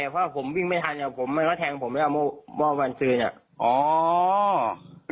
เพราะว่าผมวิ่งไม่ทันแล้วมันก็แทงผมแล้วม่อวันซืนอ่ะ